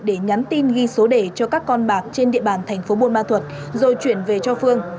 để nhắn tin ghi số đề cho các con bạc trên địa bàn thành phố buôn ma thuật rồi chuyển về cho phương